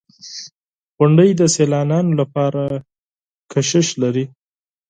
• غونډۍ د سیلانیانو لپاره جذابیت لري.